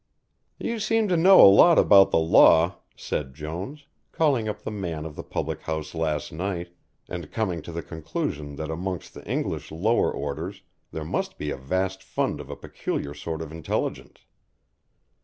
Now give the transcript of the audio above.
"You seem to know a lot about the law," said Jones, calling up the man of the public house last night, and coming to the conclusion that amongst the English lower orders there must be a vast fund of a peculiar sort of intelligence.